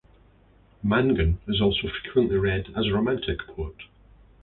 Mangan is also frequently read as a Romantic poet.